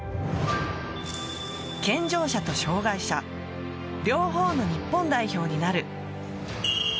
健常者と障害者両方の日本代表になる。